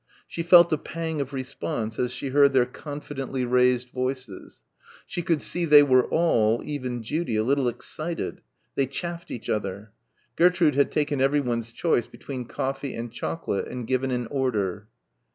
She felt a pang of response as she heard their confidently raised voices. She could see they were all, even Judy, a little excited. They chaffed each other. Gertrude had taken everyone's choice between coffee and chocolate and given an order.